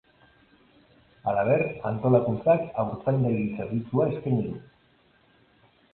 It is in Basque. Halaber, antolakuntzak haurtzaindegi zerbitzua eskaini du.